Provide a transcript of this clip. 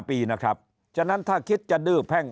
ปีนะครับฉะนั้นถ้าคิดจะดื้อแพ่ง